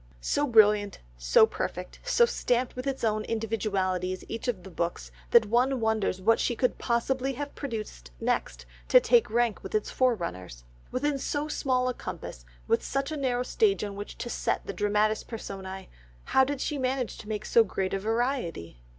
So brilliant, so perfect, so stamped with its own individuality is each of the books, that one wonders what she could possibly have produced next to take rank with its forerunners. Within so small a compass, with such a narrow stage on which to set the dramatis personæ, how did she manage to make so great a variety?